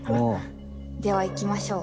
ではいきましょう。